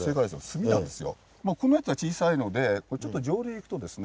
ここのやつは小さいのでちょっと上流行くとですね。